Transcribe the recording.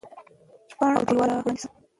پاڼ او دیوال رانړاوه سو.